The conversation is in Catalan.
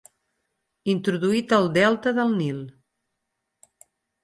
Introduït al delta del Nil.